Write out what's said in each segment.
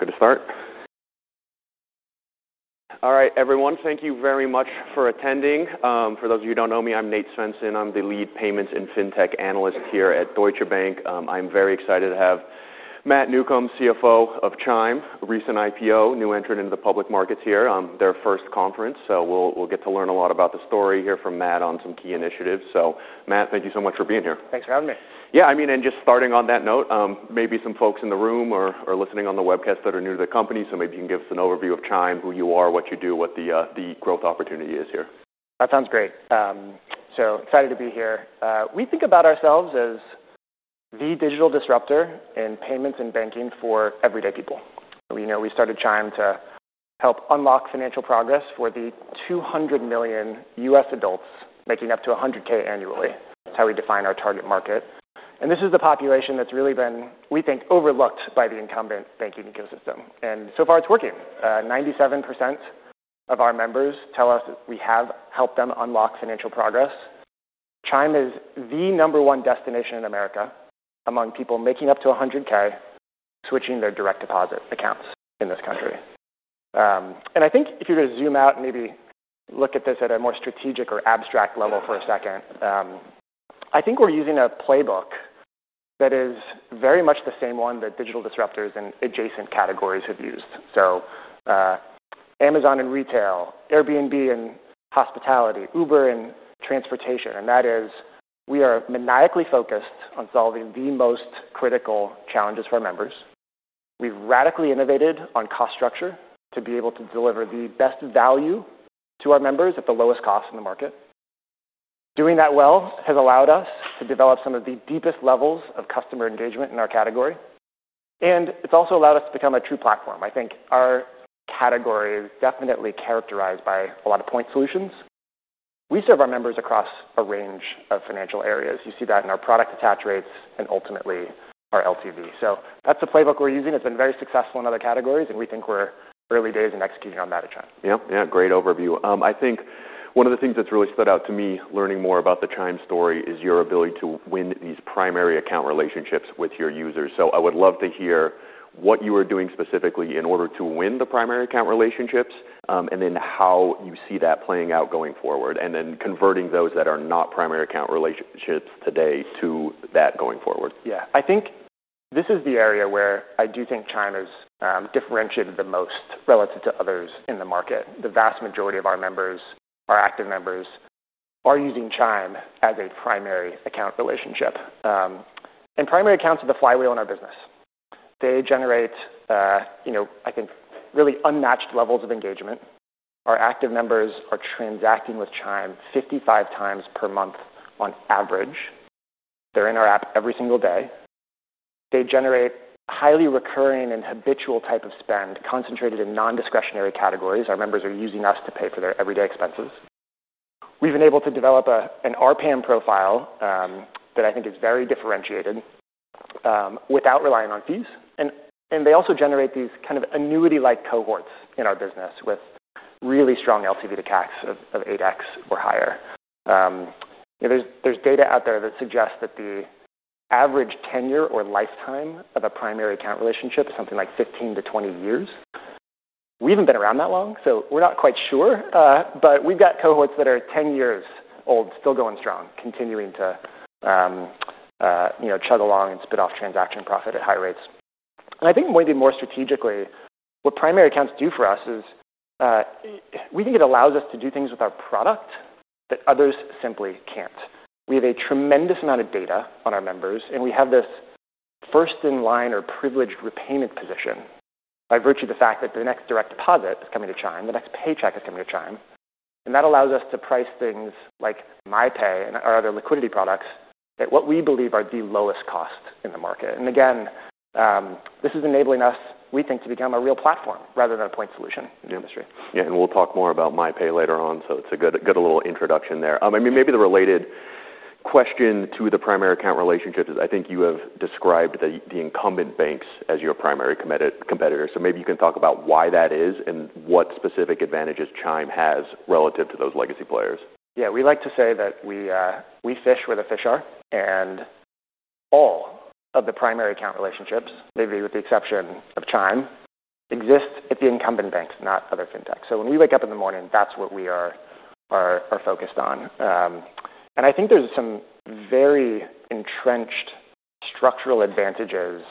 Good to start? All right, everyone, thank you very much for attending. For those of you who don't know me, I'm Nate Svensson. I'm the Lead Payments and Fintech Analyst here at Deutsche Bank. I'm very excited to have Matt Newcomb, CFO of Chime Financial, recent IPO, new entrant into the public markets here, their first conference. We'll get to learn a lot about the story here from Matt on some key initiatives. Matt, thank you so much for being here. Thanks for having me. I mean, just starting on that note, maybe some folks in the room or listening on the webcast that are new to the company, so maybe you can give us an overview of Chime, who you are, what you do, what the growth opportunity is here. That sounds great. Excited to be here. We think about ourselves as the digital disruptor in payments and banking for everyday people. We know we started to help unlock financial progress for the 200 million U.S. adults making up to $100,000 annually. That's how we define our target market. This is the population that's really been, we think, overlooked by the incumbent banking ecosystem. So far, it's working. 97% of our members tell us that we have helped them unlock financial progress. Chime is the number one destination in America among people making up to $100,000 switching their direct deposit accounts in this country. If you're going to zoom out and maybe look at this at a more strategic or abstract level for a second, I think we're using a playbook that is very much the same one that digital disruptors in adjacent categories have used. Amazon in retail, Airbnb in hospitality, Uber in transportation. That is, we are maniacally focused on solving the most critical challenges for our members. We've radically innovated on cost structure to be able to deliver the best value to our members at the lowest cost in the market. Doing that well has allowed us to develop some of the deepest levels of customer engagement in our category. It's also allowed us to become a true platform. I think our category is definitely characterized by a lot of point solutions. We serve our members across a range of financial areas. You see that in our product attach rates and ultimately our LTV. That's the playbook we're using. It's been very successful in other categories. We think we're early days in executing on that, Chime. Yeah, great overview. I think one of the things that's really stood out to me learning more about the Chime story is your ability to win these primary account relationships with your users. I would love to hear what you are doing specifically in order to win the primary account relationships and how you see that playing out going forward and converting those that are not primary account relationships today to that going forward. Yeah, I think this is the area where I do think Chime has differentiated the most relative to others in the market. The vast majority of our members, our active members, are using Chime as a primary account relationship. Primary accounts are the flywheel in our business. They generate, you know, I think, really unmatched levels of engagement. Our active members are transacting with Chime 55 times per month on average. They're in our app every single day. They generate highly recurring and habitual type of spend concentrated in non-discretionary categories. Our members are using us to pay for their everyday expenses. We've been able to develop an RPM profile that I think is very differentiated without relying on fees. They also generate these kind of annuity-like cohorts in our business with really strong LTV to CACs of 8x or higher. There's data out there that suggests that the average tenure or lifetime of a primary account relationship is something like 15 years-20 years. We haven't been around that long, so we're not quite sure. We've got cohorts that are 10 years old still going strong, continuing to chug along and spit off transaction profit at high rates. I think maybe more strategically, what primary accounts do for us is we think it allows us to do things with our product that others simply can't. We have a tremendous amount of data on our members. We have this first-in-line or privileged repayment position by virtue of the fact that the next direct deposit is coming to Chime, the next paycheck is coming to Chime. That allows us to price things like MyPay and our other liquidity products at what we believe are the lowest cost in the market. This is enabling us, we think, to become a real platform rather than a point solution in the industry. Yeah, and we'll talk more about MyPay later on. It's a good little introduction there. Maybe the related question to the primary account relationship is I think you have described the incumbent banks as your primary competitor. Maybe you can talk about why that is and what specific advantages Chime has relative to those legacy players. Yeah, we like to say that we fish where the fish are. All of the primary account relationships, maybe with the exception of Chime, exist at the incumbent banks, not other fintechs. When you wake up in the morning, that's what we are focused on. I think there's some very entrenched structural advantages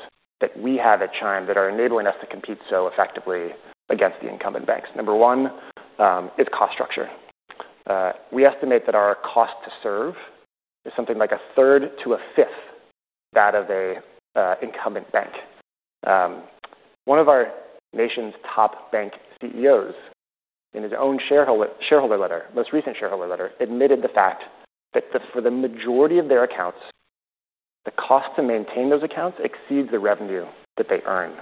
that we have at Chime that are enabling us to compete so effectively against the incumbent banks. Number one is cost structure. We estimate that our cost to serve is something like a third to a fifth that of an incumbent bank. One of our nation's top bank CEOs, in his own shareholder letter, most recent shareholder letter, admitted the fact that for the majority of their accounts, the cost to maintain those accounts exceeds the revenue that they earn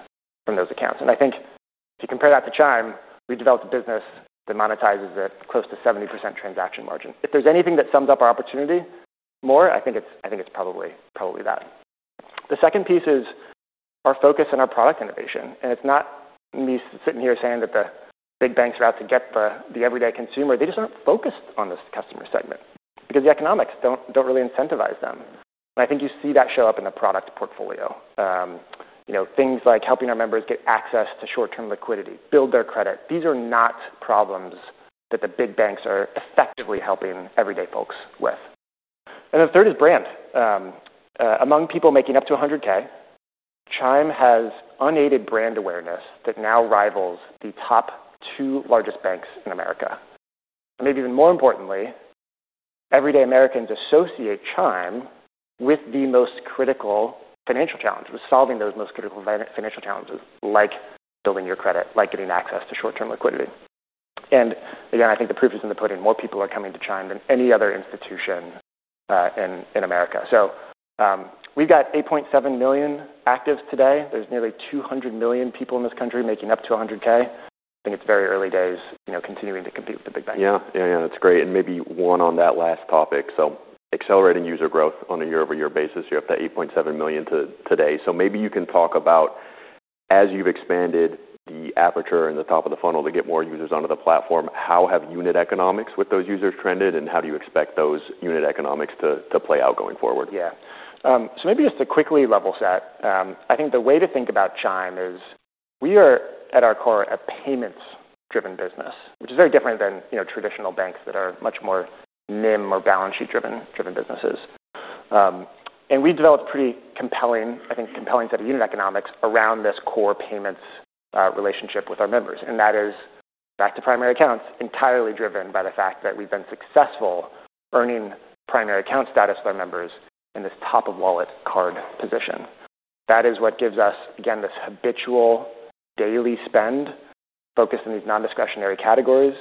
from those accounts. I think if you compare that to Chime, we developed a business that monetizes at close to 70% transaction margin. If there's anything that sums up our opportunity more, I think it's probably that. The second piece is our focus on our product innovation. It's not me sitting here saying that the big banks are out to get the everyday consumer. They just aren't focused on this customer segment because the economics don't really incentivize them. I think you see that show up in the product portfolio. Things like helping our members get access to short-term liquidity, build their credit. These are not problems that the big banks are effectively helping everyday folks with. The third is brand. Among people making up to $100,000, Chime has unaided brand awareness that now rivals the top two largest banks in America. Maybe even more importantly, everyday Americans associate Chime with the most critical financial challenges, solving those most critical financial challenges, like building your credit, like getting access to short-term liquidity. I think the proof is in the pudding. More people are coming to Chime than any other institution in America. We've got 8.7 million actives today. There's nearly 200 million people in this country making up to $100,000. I think it's very early days, continuing to compete with the big banks. Yeah, that's great. Maybe one on that last topic. Accelerating user growth on a year-over-year basis, you're up to 8.7 million today. Maybe you can talk about, as you've expanded the aperture and the top of the funnel to get more users onto the platform, how have unit economics with those users trended? How do you expect those unit economics to play out going forward? Yeah, so maybe just to quickly level set, I think the way to think about Chime is we are, at our core, a payments-driven business, which is very different than traditional banks that are much more NIM or balance sheet-driven businesses. We've developed a pretty compelling, I think, compelling set of unit economics around this core payments relationship with our members. That is, back to primary accounts, entirely driven by the fact that we've been successful earning primary account status for our members in this top-of-wallet card position. That is what gives us, again, this habitual daily spend focused in these non-discretionary categories.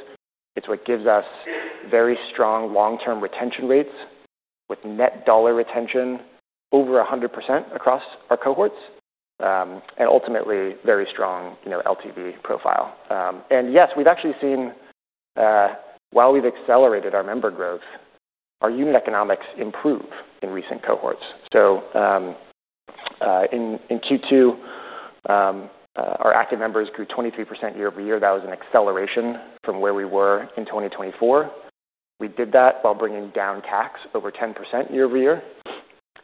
It's what gives us very strong long-term retention rates with net dollar retention over 100% across our cohorts and ultimately very strong LTV profile. Yes, we've actually seen, while we've accelerated our member growth, our unit economics improve in recent cohorts. In Q2, our active members grew 23% year over year. That was an acceleration from where we were in 2024. We did that while bringing down CACs over 10% year over year.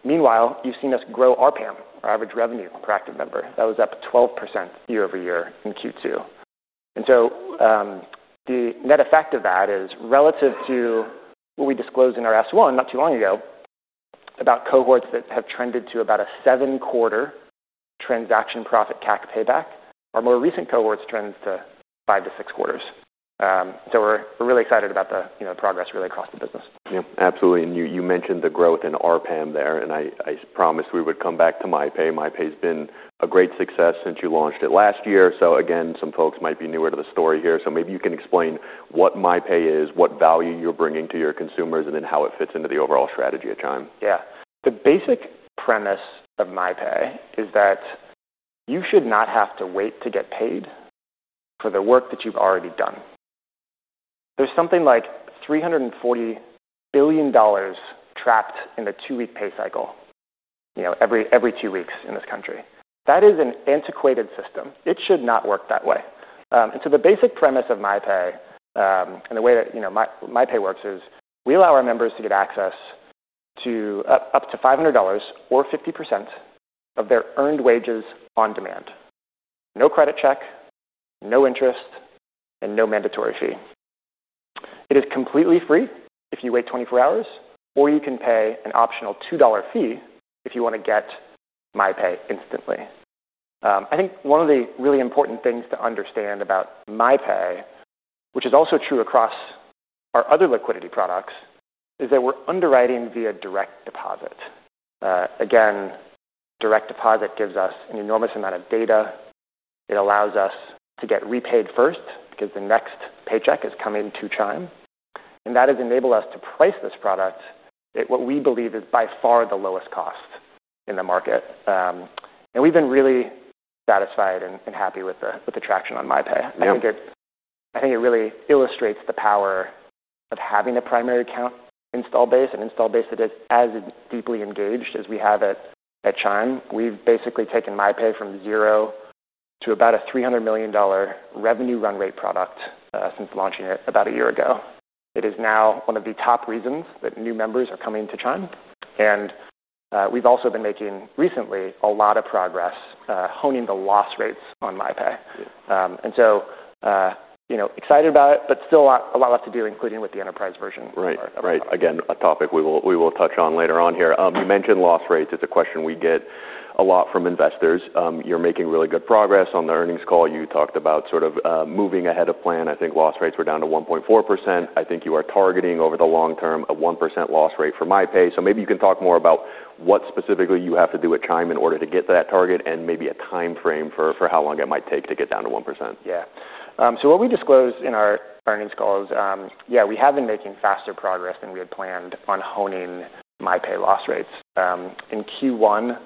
Meanwhile, you've seen us grow RPM, our average revenue per active member. That was up 12% year over year in Q2. The net effect of that is relative to what we disclosed in our S-1 not too long ago about cohorts that have trended to about a seven-quarter transaction profit CAC payback. Our more recent cohorts trend to five to six quarters. We're really excited about the progress really across the business. Yeah, absolutely. You mentioned the growth in RPM there. I promised we would come back to MyPay. MyPay has been a great success since you launched it last year. Some folks might be newer to the story here. Maybe you can explain what MyPay is, what value you're bringing to your consumers, and how it fits into the overall strategy at Chime. Yeah, the basic premise of MyPay is that you should not have to wait to get paid for the work that you've already done. There's something like $340 billion trapped in a two-week pay cycle, every two weeks in this country. That is an antiquated system. It should not work that way. The basic premise of MyPay and the way that MyPay works is we allow our members to get access to up to $500 or 50% of their earned wages on demand. No credit check, no interest, and no mandatory fee. It is completely free if you wait 24 hours, or you can pay an optional $2 fee if you want to get MyPay instantly. I think one of the really important things to understand about MyPay, which is also true across our other liquidity products, is that we're underwriting via direct deposit. Direct deposit gives us an enormous amount of data. It allows us to get repaid first because the next paycheck has come into Chime. That has enabled us to price this product at what we believe is by far the lowest cost in the market. We've been really satisfied and happy with the traction on MyPay. I think it really illustrates the power of having a primary account install base, an install base that is as deeply engaged as we have at Chime. We've basically taken MyPay from zero to about a $300 million revenue run rate product since launching it about a year ago. It is now one of the top reasons that new members are coming to Chime. We've also been making recently a lot of progress honing the loss rates on MyPay. Excited about it, but still a lot left to do, including with the enterprise version. Right, right. A topic we will touch on later on here. You mentioned loss rates. It's a question we get a lot from investors. You're making really good progress on the earnings call. You talked about sort of moving ahead of plan. I think loss rates were down to 1.4%. I think you are targeting over the long term a 1% loss rate for MyPay. Maybe you can talk more about what specifically you have to do at Chime in order to get to that target and maybe a time frame for how long it might take to get down to 1%. Yeah, what we disclosed in our earnings call was, we have been making faster progress than we had planned on honing MyPay loss rates. In Q1,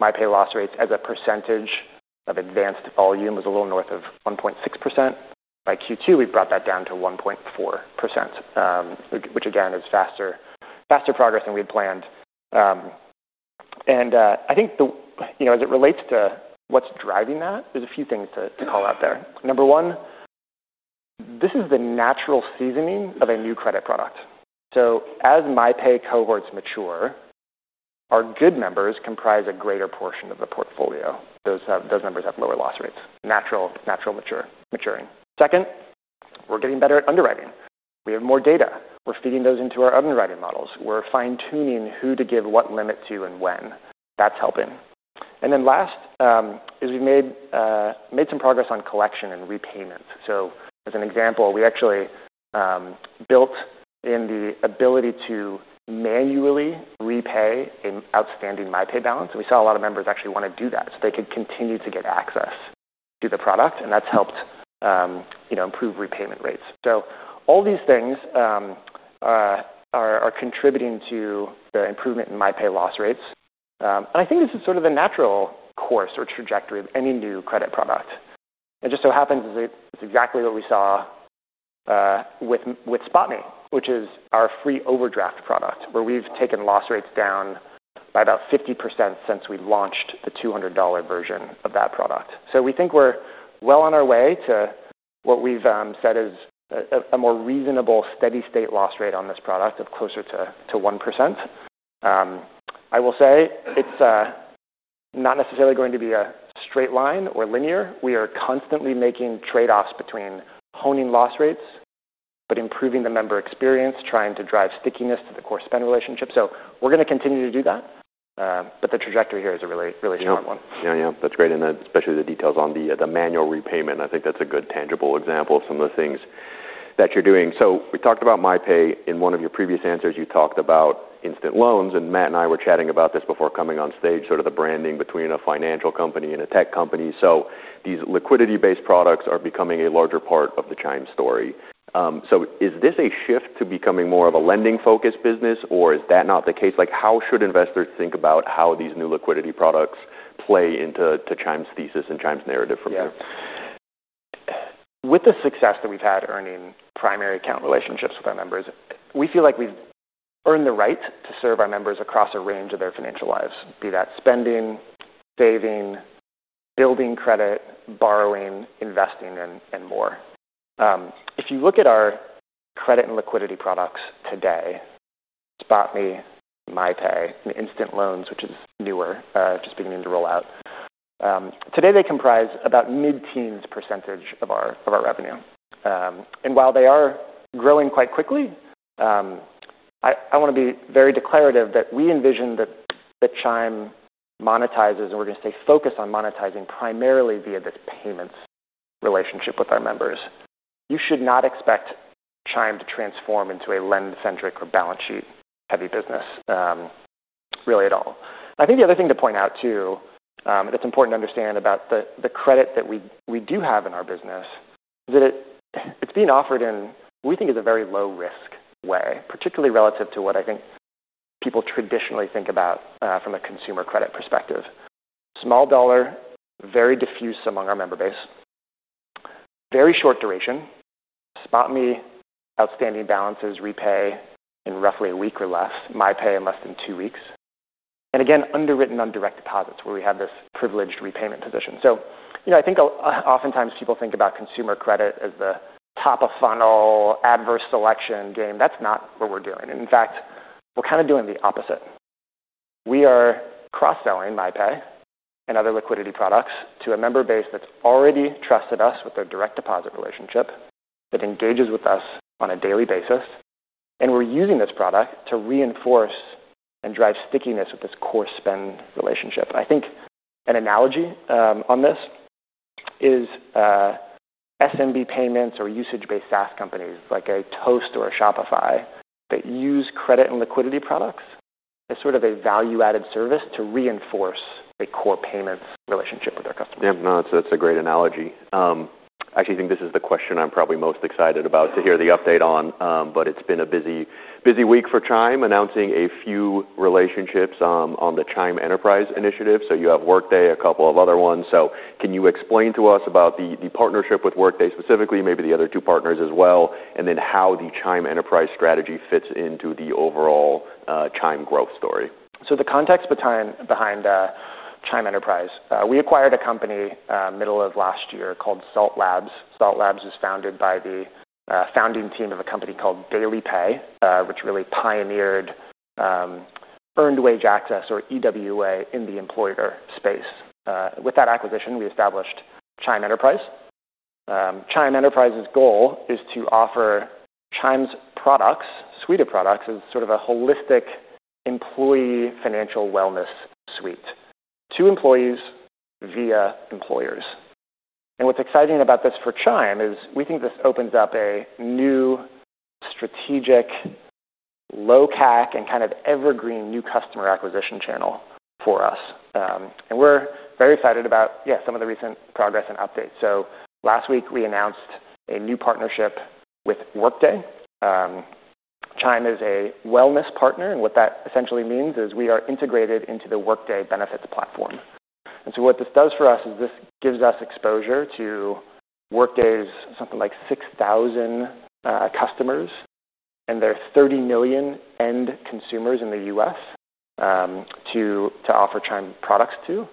MyPay loss rates as a percentage of advanced volume was a little north of 1.6%. By Q2, we brought that down to 1.4%, which again is faster progress than we had planned. I think as it relates to what's driving that, there's a few things to call out there. Number one, this is the natural seasoning of a new credit product. As MyPay cohorts mature, our good members comprise a greater portion of the portfolio. Those members have lower loss rates. Natural maturing. Second, we're getting better at underwriting. We have more data. We're feeding those into our underwriting models. We're fine-tuning who to give what limit to and when. That's helping. Last, we've made some progress on collection and repayments. As an example, we actually built in the ability to manually repay an outstanding MyPay balance. We saw a lot of members actually want to do that so they could continue to get access to the product. That's helped improve repayment rates. All these things are contributing to the improvement in MyPay loss rates. I think this is sort of the natural course or trajectory of any new credit product. It just so happens that it's exactly what we saw with SpotMe, which is our fee-free overdraft product, where we've taken loss rates down by about 50% since we launched the $200 version of that product. We think we're well on our way to what we've said is a more reasonable steady-state loss rate on this product of closer to 1%. I will say it's not necessarily going to be a straight line or linear. We are constantly making trade-offs between honing loss rates but improving the member experience, trying to drive stickiness to the core spend relationship. We're going to continue to do that. The trajectory here is a really strong one. Yeah, that's great, especially the details on the manual repayment. I think that's a good tangible example of some of the things that you're doing. We talked about MyPay. In one of your previous answers, you talked about instant loans. Matt and I were chatting about this before coming on stage, sort of the branding between a financial company and a tech company. These liquidity-based products are becoming a larger part of the Chime story. Is this a shift to becoming more of a lending-focused business, or is that not the case? How should investors think about how these new liquidity products play into Chime's thesis and Chime's narrative from here? Yeah, with the success that we've had earning primary account relationships with our members, we feel like we've earned the right to serve our members across a range of their financial lives, be that spending, saving, building credit, borrowing, investing, and more. If you look at our credit and liquidity products today, SpotMe, MyPay, and the instant loans, which is newer, just beginning to roll out, today they comprise about a mid-teens percentage of our revenue. While they are growing quite quickly, I want to be very declarative that we envision that Chime monetizes, and we're going to stay focused on monetizing primarily via this payments relationship with our members. You should not expect Chime Financial to transform into a lend-centric or balance sheet-heavy business really at all. I think the other thing to point out too, that's important to understand about the credit that we do have in our business, is that it's being offered in what we think is a very low-risk way, particularly relative to what I think people traditionally think about from a consumer credit perspective. Small dollar, very diffuse among our member base, very short duration. SpotMe, outstanding balances, repay in roughly a week or less. MyPay in less than two weeks. Again, underwritten on direct deposits, where we have this privileged repayment position. I think oftentimes people think about consumer credit as the top-of-funnel adverse selection game. That's not what we're doing. In fact, we're kind of doing the opposite. We are cross-selling MyPay and other liquidity products to a member base that's already trusted us with their direct deposit relationship, that engages with us on a daily basis. We're using this product to reinforce and drive stickiness with this core spend relationship. I think an analogy on this is SMB payments or usage-based SaaS companies like a Toast or a Shopify that use credit and liquidity products as sort of a value-added service to reinforce a core payments relationship with their customers. Yeah, no, that's a great analogy. I actually think this is the question I'm probably most excited about to hear the update on. It's been a busy week for Chime announcing a few relationships on the Chime Enterprise initiative. You have Workday, a couple of other ones. Can you explain to us about the partnership with Workday specifically, maybe the other two partners as well, and then how the Chime Enterprise strategy fits into the overall Chime growth story? The context behind Chime Enterprise, we acquired a company middle of last year called Salt Labs. Salt Labs was founded by the founding team of a company called DailyPay, which really pioneered earned wage access or EWA in the employer space. With that acquisition, we established Chime Enterprise. Chime Enterprise's goal is to offer Chime's products, suite of products, as sort of a holistic employee financial wellness suite to employees via employers. What's exciting about this for Chime is we think this opens up a new strategic, low CAC, and kind of evergreen new customer acquisition channel for us. We're very excited about some of the recent progress and updates. Last week, we announced a new partnership with Workday. Chime is a wellness partner. What that essentially means is we are integrated into the Workday benefits platform. What this does for us is this gives us exposure to Workday's something like 6,000 customers and their 30 million end consumers in the U.S. to offer Chime products to.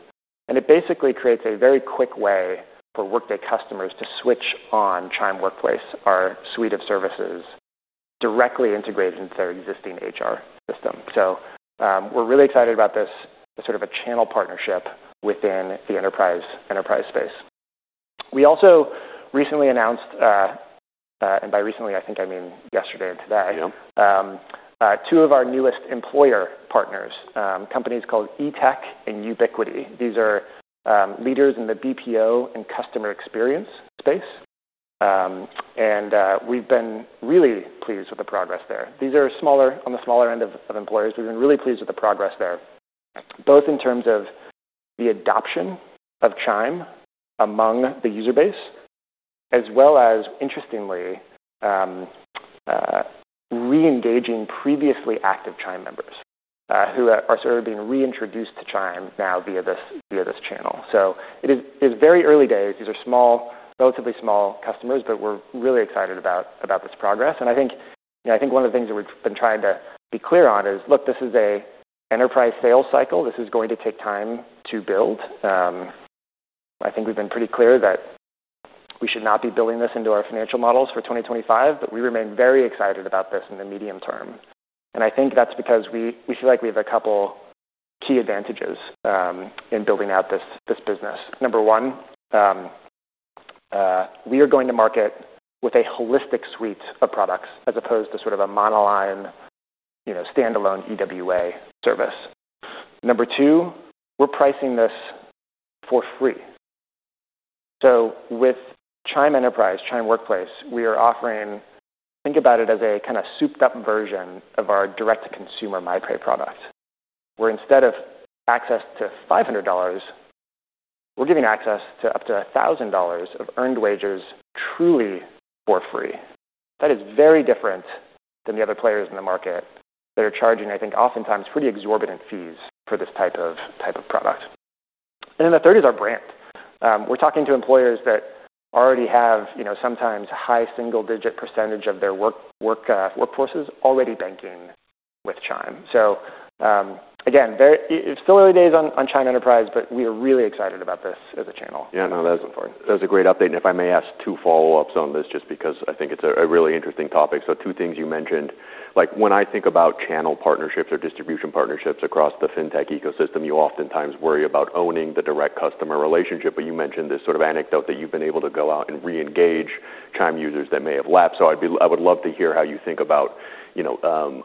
It basically creates a very quick way for Workday customers to switch on Chime Workplace, our suite of services directly integrated into their existing HR system. We're really excited about this, sort of a channel partnership within the enterprise space. We also recently announced, and by recently, I think I mean yesterday and today, two of our newest employer partners, companies called Etech and Ubiquiti. These are leaders in the BPO and customer experience space. We've been really pleased with the progress there. These are on the smaller end of employers. We've been really pleased with the progress there, both in terms of the adoption of Chime among the user base, as well as, interestingly, re-engaging previously active Chime members who are sort of being reintroduced to Chime now via this channel. It is very early days. These are relatively small customers, but we're really excited about this progress. I think one of the things that we've been trying to be clear on is, look, this is an enterprise sales cycle. This is going to take time to build. I think we've been pretty clear that we should not be building this into our financial models for 2025. We remain very excited about this in the medium term. I think that's because we feel like we have a couple of key advantages in building out this business. Number one, we are going to market with a holistic suite of products as opposed to sort of a monoline, standalone EWA service. Number two, we're pricing this for free. With Chime Enterprise, Chime Workplace, we are offering, think about it as a kind of souped-up version of our direct-to-consumer MyPay product, where instead of access to $500, we're giving access to up to $1,000 of earned wages truly for free. That is very different than the other players in the market that are charging, I think, oftentimes pretty exorbitant fees for this type of product. The third is our brand. We're talking to employers that already have sometimes a high single-digit percentage of their workforces already banking with Chime. It is still early days on Chime Enterprise, but we are really excited about this as a channel. Yeah, no, that's a great update. If I may ask two follow-ups on this, just because I think it's a really interesting topic. Two things you mentioned. When I think about channel partnerships or distribution partnerships across the fintech ecosystem, you oftentimes worry about owning the direct customer relationship. You mentioned this sort of anecdote that you've been able to go out and re-engage Chime users that may have left. I would love to hear how you think about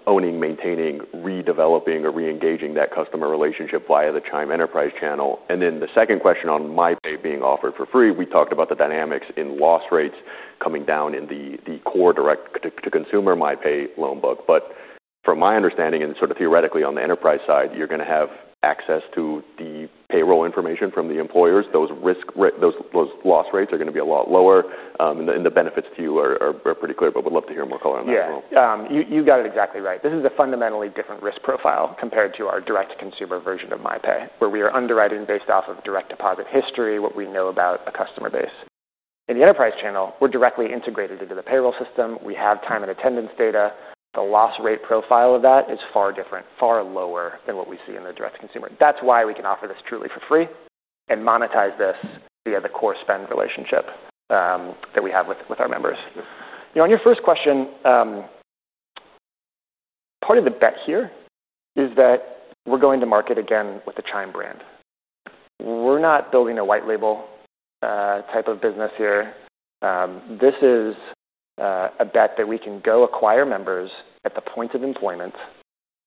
owning, maintaining, redeveloping, or re-engaging that customer relationship via the Chime Enterprise channel. The second question on MyPay being offered for free, we talked about the dynamics in loss rates coming down in the core direct-to-consumer MyPay loan book. From my understanding, and sort of theoretically on the enterprise side, you're going to have access to the payroll information from the employers. Those loss rates are going to be a lot lower. The benefits to you are pretty clear, but would love to hear more color on that as well. Yeah, you got it exactly right. This is a fundamentally different risk profile compared to our direct-to-consumer version of MyPay, where we are underwriting based off of direct deposit history, what we know about a customer base. In the enterprise channel, we're directly integrated into the payroll system. We have time and attendance data. The loss rate profile of that is far different, far lower than what we see in the direct-to-consumer. That is why we can offer this truly for free and monetize this via the core spend relationship that we have with our members. On your first question, part of the bet here is that we're going to market again with the Chime brand. We're not building a white label type of business here. This is a bet that we can go acquire members at the point of employment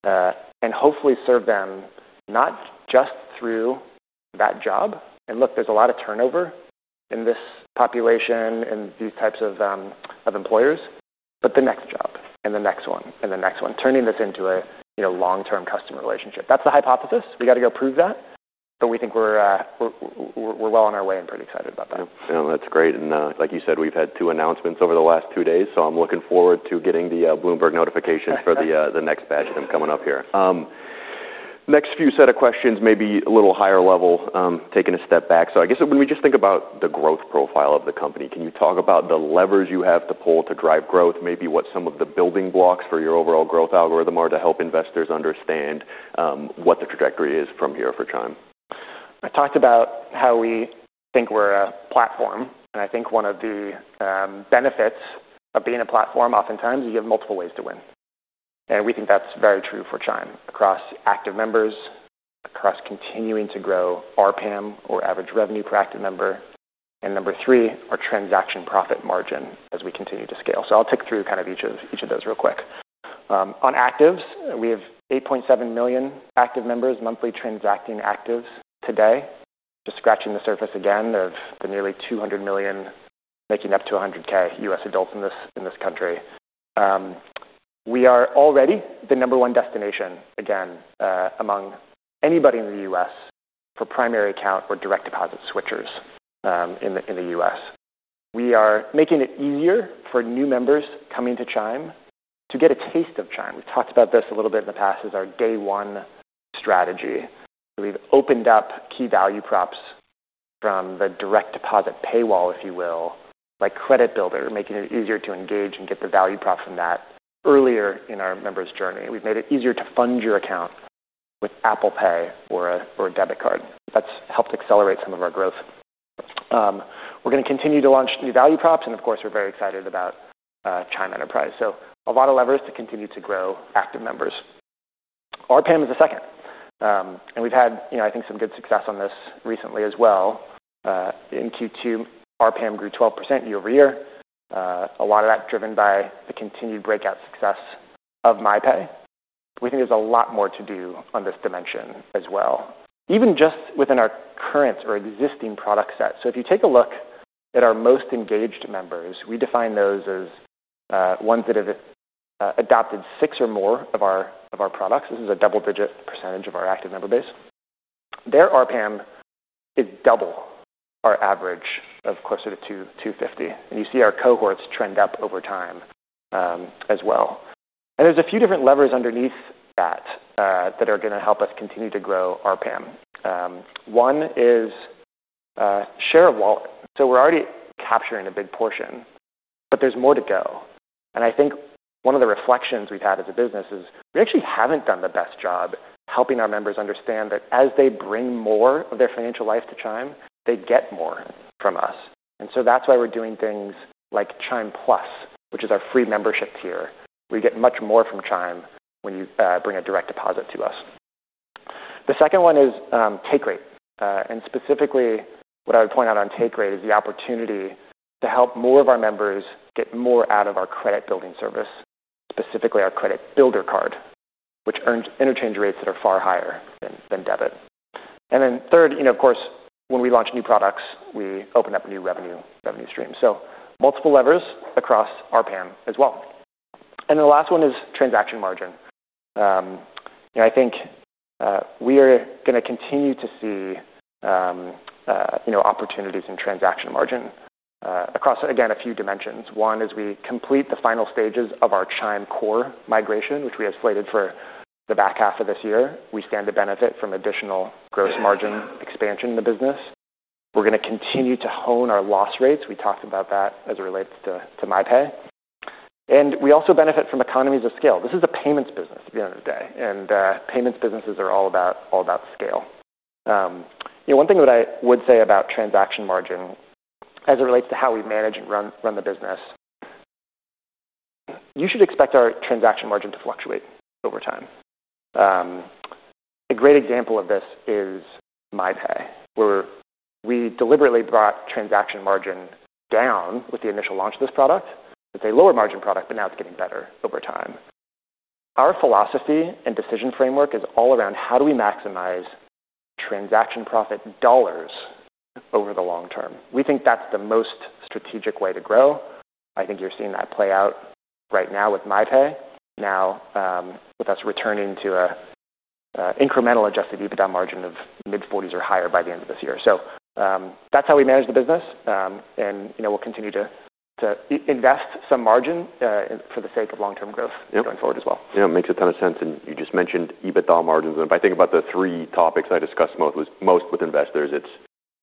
and hopefully serve them not just through that job. There is a lot of turnover in this population and these types of employers, but the next job and the next one and the next one, turning this into a long-term customer relationship. That is the hypothesis. We got to go prove that. We think we're well on our way and pretty excited about that. That's great. Like you said, we've had two announcements over the last two days. I'm looking forward to getting the Bloomberg notification for the next batch of them coming up here. The next few set of questions are maybe a little higher level, taking a step back. I guess when we just think about the growth profile of the company, can you talk about the levers you have to pull to drive growth? Maybe what some of the building blocks for your overall growth algorithm are to help investors understand what the trajectory is from here for Chime? I talked about how we think we're a platform. I think one of the benefits of being a platform, oftentimes, is you have multiple ways to win. We think that's very true for Chime across active members, across continuing to grow RPM or average revenue per active member, and number three, our transaction profit margin as we continue to scale. I'll tick through each of those real quick. On actives, we have 8.7 million active members, monthly transacting actives today. Just scratching the surface again of the nearly 200 million, making up to $100,000,000 U.S. adults in this country. We are already the number one destination among anybody in the U.S. for primary account or direct deposit switchers in the U.S. We are making it easier for new members coming to Chime to get a taste of Chime. We've talked about this a little bit in the past as our day one strategy. We've opened up key value props from the direct deposit paywall, if you will, like Credit Builder, making it easier to engage and get the value prop from that earlier in our members' journey. We've made it easier to fund your account with Apple Pay or a debit card. That's helped accelerate some of our growth. We are going to continue to launch new value props. We are very excited about Chime Enterprise. There are a lot of levers to continue to grow active members. RPM is the second. We've had, I think, some good success on this recently as well. In Q2, RPM grew 12% year over year. A lot of that was driven by the continued breakout success of MyPay. We think there's a lot more to do on this dimension as well, even just within our current or existing product set. If you take a look at our most engaged members, we define those as ones that have adopted six or more of our products. This is a double-digit percentage of our active member base. Their RPM is double our average of closer to $250. You see our cohorts trend up over time as well. There are a few different levers underneath that that are going to help us continue to grow RPM. One is share of wallet. We are already capturing a big portion, but there's more to go. I think one of the reflections we've had as a business is we actually haven't done the best job helping our members understand that as they bring more of their financial life to Chime, they get more from us. That's why we're doing things like Chime Plus, which is our free membership tier. We get much more from Chime Financial when you bring a direct deposit to us. The second one is take rate. Specifically, what I would point out on take rate is the opportunity to help more of our members get more out of our credit building service, specifically our Credit Builder card, which earns interchange rates that are far higher than debit. Third, when we launch new products, we open up a new revenue stream. Multiple levers across RPM as well. The last one is transaction margin. I think we are going to continue to see opportunities in transaction margin across, again, a few dimensions. One is we complete the final stages of our Chime core migration, which we have slated for the back half of this year. We stand to benefit from additional gross margin expansion in the business. We're going to continue to hone our loss rates. We talked about that as it relates to MyPay. We also benefit from economies of scale. This is a payments business at the end of the day, and payments businesses are all about scale. One thing that I would say about transaction margin as it relates to how we manage and run the business, you should expect our transaction margin to fluctuate over time. A great example of this is MyPay, where we deliberately brought transaction margin down with the initial launch of this product. It's a lower margin product, but now it's getting better over time. Our philosophy and decision framework is all around how do we maximize transaction profit dollars over the long term. We think that's the most strategic way to grow. I think you're seeing that play out right now with MyPay, now with us returning to an incremental adjusted EBITDA margin of mid-40% or higher by the end of this year. That's how we manage the business. We'll continue to invest some margin for the sake of long-term growth going forward as well. Yeah, it makes a ton of sense. You just mentioned EBITDA margins. If I think about the three topics I discuss most with investors,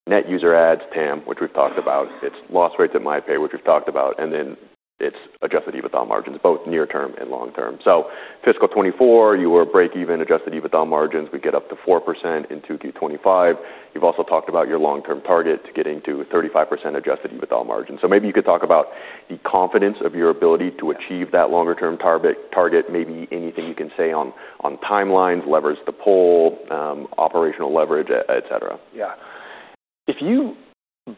it's net user ads, TAM, which we've talked about, loss rates at MyPay, which we've talked about, and then it's adjusted EBITDA margins, both near-term and long-term. For fiscal 2024, your break-even adjusted EBITDA margins could get up to 4% in Q2 2025. You've also talked about your long-term target to getting to 35% adjusted EBITDA margins. Maybe you could talk about the confidence of your ability to achieve that longer-term target, anything you can say on timelines, levers to pull, operational leverage, et cetera. Yeah, if you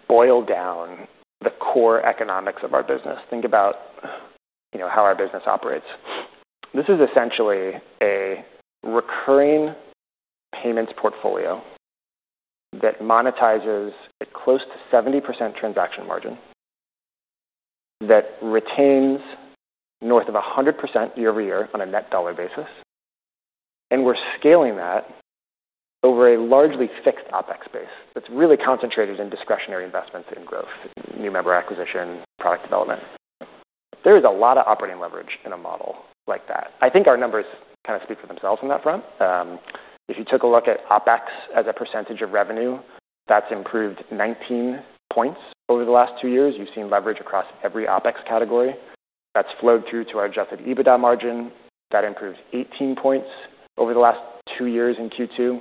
boil down the core economics of our business, think about how our business operates. This is essentially a recurring payments portfolio that monetizes at close to 70% transaction margin, that retains north of 100% year over year on a net dollar basis. We're scaling that over a largely fixed OpEx base that's really concentrated in discretionary investments in growth, new member acquisition, product development. There is a lot of operating leverage in a model like that. I think our numbers kind of speak for themselves on that front. If you took a look at OpEx as a percentage of revenue, that's improved 19 points over the last two years. You've seen leverage across every OpEx category. That's flowed through to our adjusted EBITDA margin. That improved 18 points over the last two years in Q2.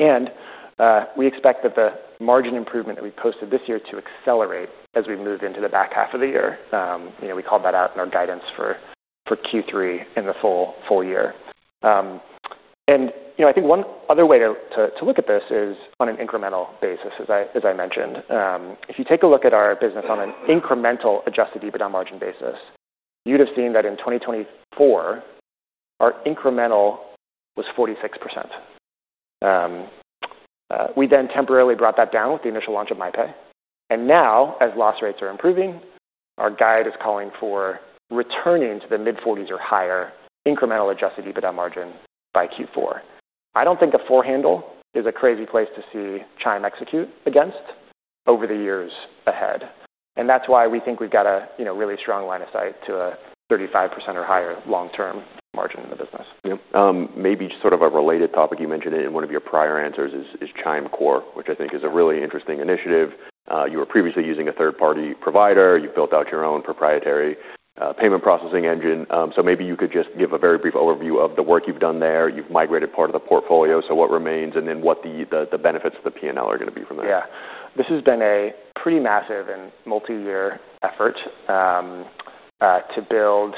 We expect that the margin improvement that we posted this year to accelerate as we move into the back half of the year. We called that out in our guidance for Q3 in the full year. I think one other way to look at this is on an incremental basis, as I mentioned. If you take a look at our business on an incremental adjusted EBITDA margin basis, you'd have seen that in 2024, our incremental was 46%. We then temporarily brought that down with the initial launch of MyPay. Now, as loss rates are improving, our guide is calling for returning to the mid-40s or higher incremental adjusted EBITDA margin by Q4. I don't think the forehandle is a crazy place to see Chime execute against over the years ahead. That's why we think we've got a really strong line of sight to a 35% or higher long-term margin in the business. Yeah, maybe sort of a related topic you mentioned in one of your prior answers is Chime Core, which I think is a really interesting initiative. You were previously using a third-party provider. You've built out your own proprietary payment processing system. Maybe you could just give a very brief overview of the work you've done there. You've migrated part of the portfolio. What remains and then what the benefits of the P&L are going to be from there? Yeah, this has been a pretty massive and multi-year effort to build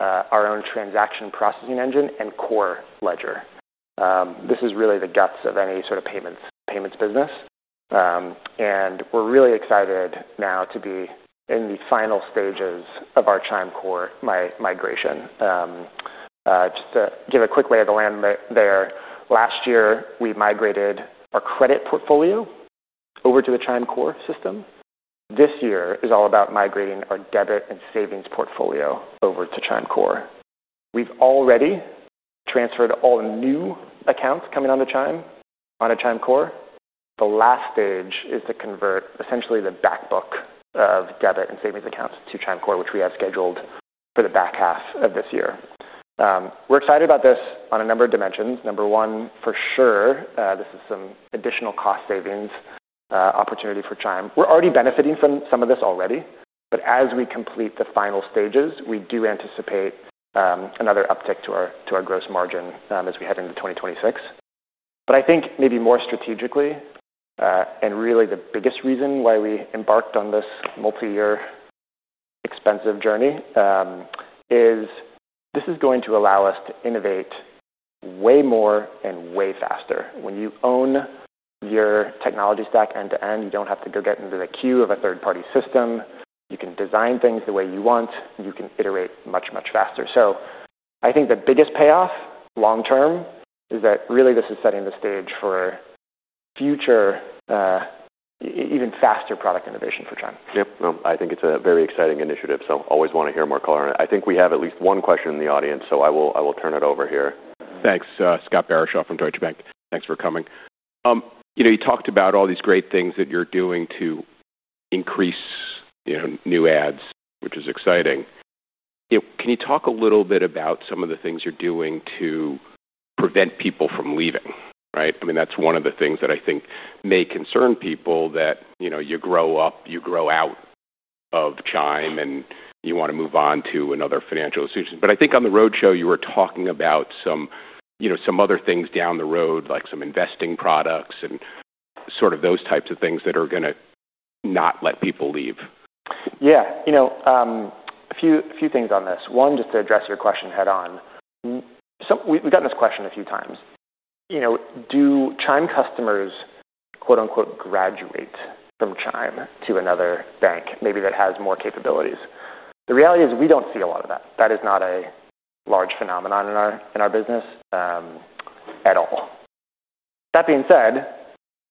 our own transaction processing engine and core ledger. This is really the guts of any sort of payments business. We're really excited now to be in the final stages of our Chime Core migration. Just to give a quick lay of the land there, last year, we migrated our credit portfolio over to the Chime Core system. This year is all about migrating our debit and savings portfolio over to Chime Core. We've already transferred all new accounts coming onto Chime on a Chime Core. The last stage is to convert essentially the backbook of debit and savings accounts to Chime Core, which we have scheduled for the back half of this year. We're excited about this on a number of dimensions. Number one, for sure, this is some additional cost savings opportunity for Chime. We're already benefiting from some of this already. As we complete the final stages, we do anticipate another uptick to our gross margin as we head into 2026. I think maybe more strategically, and really the biggest reason why we embarked on this multi-year expensive journey is this is going to allow us to innovate way more and way faster. When you own your technology stack end-to-end, you don't have to go get into the queue of a third-party system. You can design things the way you want. You can iterate much, much faster. I think the biggest payoff long-term is that really this is setting the stage for future, even faster product innovation for Chime. I think it's a very exciting initiative. I always want to hear more color on it. I think we have at least one question in the audience. I will turn it over here. Thanks, Scott Barishaw from Deutsche Bank. Thanks for coming. You know, you talked about all these great things that you're doing to increase new ads, which is exciting. Can you talk a little bit about some of the things you're doing to prevent people from leaving? I mean, that's one of the things that I think may concern people that you grow up, you grow out of Chime, and you want to move on to another financial institution. I think on the roadshow, you were talking about some other things down the road, like some investing products and sort of those types of things that are going to not let people leave. Yeah, you know, a few things on this. One, just to address your question head-on, we've gotten this question a few times. You know, do Chime customers "graduate" from Chime to another bank, maybe that has more capabilities? The reality is we don't see a lot of that. That is not a large phenomenon in our business at all. That being said,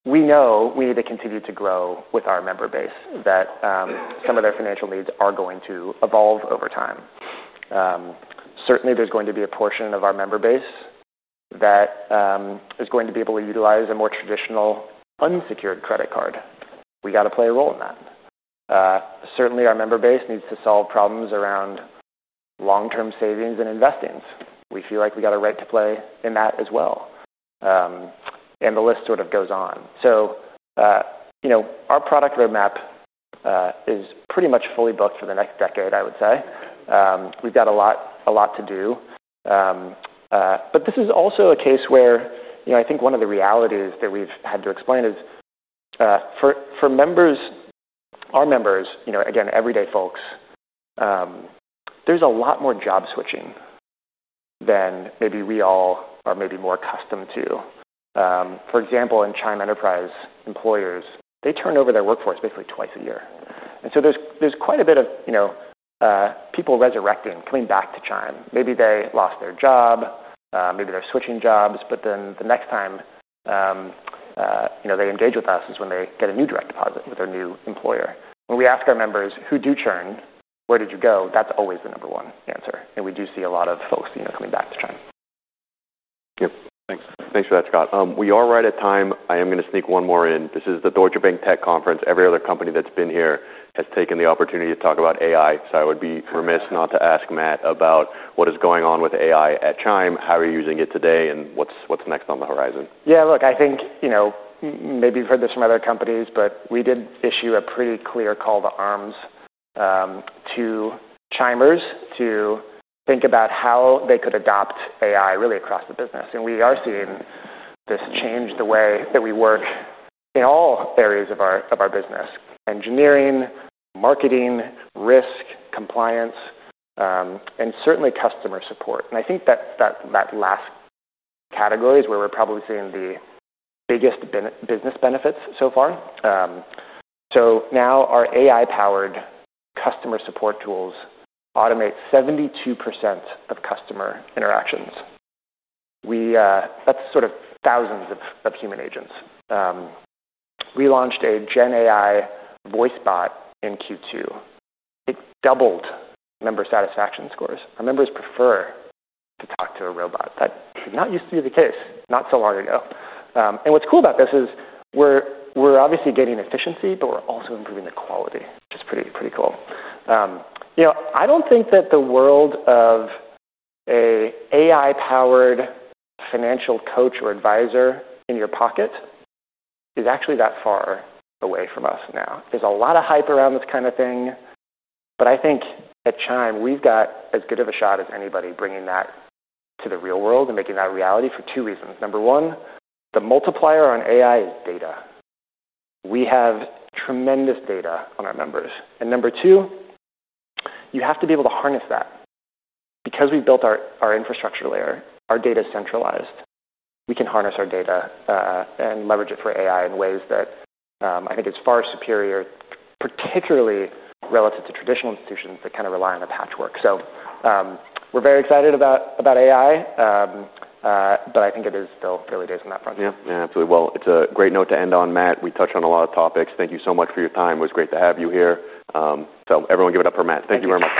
we know we need to continue to grow with our member base, that some of their financial needs are going to evolve over time. Certainly, there's going to be a portion of our member base that is going to be able to utilize a more traditional unsecured credit card. We got to play a role in that. Certainly, our member base needs to solve problems around long-term savings and investings. We feel like we got a right to play in that as well. The list sort of goes on. You know, our product roadmap is pretty much fully booked for the next decade, I would say. We've got a lot to do. This is also a case where I think one of the realities that we've had to explain is for members, our members, you know, again, everyday folks, there's a lot more job switching than maybe we all are maybe more accustomed to. For example, in Chime Enterprise employers, they turn over their workforce basically twice a year. There's quite a bit of, you know, people resurrecting, coming back to Chime. Maybe they lost their job. Maybe they're switching jobs. The next time they engage with us is when they get a new direct deposit with their new employer. When we ask our members who do churn, where did you go, that's always the number one answer. We do see a lot of folks coming back to Chime. Yes, thanks. Thanks for that, Scott. We are right at time. I am going to sneak one more in. This is the Deutsche Bank Tech Conference. Every other company that's been here has taken the opportunity to talk about AI. I would be remiss not to ask Matt about what is going on with AI at Chime, how you're using it today, and what's next on the horizon. Yeah, look, I think, you know, maybe you've heard this from other companies, but we did issue a pretty clear call to arms to Chimers to think about how they could adopt AI really across the business. We are seeing this change the way that we work in all areas of our business: engineering, marketing, risk, compliance, and certainly customer support. I think that last category is where we're probably seeing the biggest business benefits so far. Now our AI-powered customer support tools automate 72% of customer interactions. That's sort of thousands of human agents. We launched a GenAI voice bot in Q2. It doubled member satisfaction scores. Our members prefer to talk to a robot. That should not used to be the case not so long ago. What's cool about this is we're obviously gaining efficiency, but we're also improving the quality, which is pretty cool. You know, I don't think that the world of an AI-powered financial coach or advisor in your pocket is actually that far away from us now. There's a lot of hype around this kind of thing. I think at Chime, we've got as good of a shot as anybody bringing that to the real world and making that a reality for two reasons. Number one, the multiplier on AI is data. We have tremendous data on our members. Number two, you have to be able to harness that. Because we built our infrastructure layer, our data is centralized. We can harness our data and leverage it for AI in ways that I think is far superior, particularly relative to traditional institutions that kind of rely on a patchwork. We are very excited about AI, but I think it is still early days on that front. Yeah, absolutely. It's a great note to end on, Matt. We touched on a lot of topics. Thank you so much for your time. It was great to have you here. Everyone, give it up for Matt. Thank you very much.